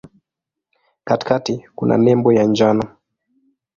Katikati kuna nembo ya njano.